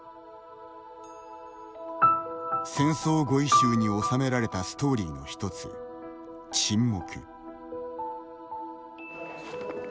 「戦争語彙集」に収められたストーリーの１つ、「沈黙」。